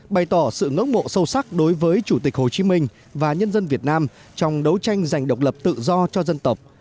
bày tỏ sự ngấm mộ sâu sắc đối với chủ tịch hồ chí minh và nhân dân việt nam trong đấu tranh giành độc lập tự do cho dân tộc